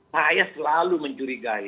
saya selalu mencurigai